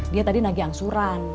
dia tadi nagih angsuran